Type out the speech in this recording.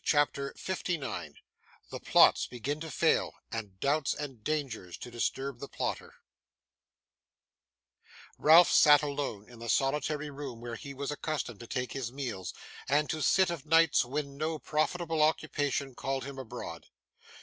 CHAPTER 59 The Plots begin to fail, and Doubts and Dangers to disturb the Plotter Ralph sat alone, in the solitary room where he was accustomed to take his meals, and to sit of nights when no profitable occupation called him abroad.